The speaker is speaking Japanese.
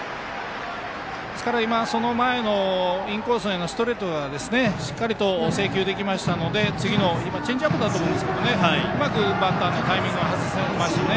その前のインコースへのストレートはしっかりと制球できましたのでチェンジアップだと思いますがうまくバッターのタイミングを外せましたね。